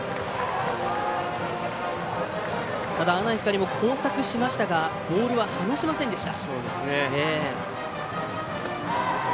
阿南光も交錯しましたがボールを放しませんでした。